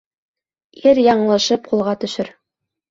Ир яңылышып ҡулға төшөр